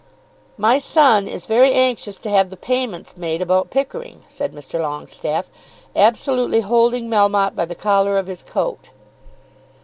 "My son is very anxious to have the payments made about Pickering," said Mr. Longestaffe, absolutely holding Melmotte by the collar of his coat.